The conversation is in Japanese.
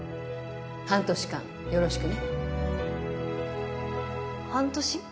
半年間よろしくね半年？